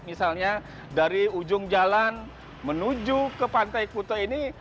misalnya dari ujung jalan menuju ke pantai kuta ini